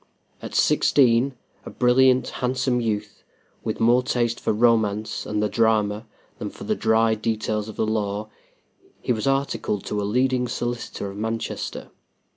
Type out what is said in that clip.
At sixteen, a brilliant, handsome youth, with more taste for romance and the drama than for the dry details of the law, he was articled to a leading solicitor of Manchester.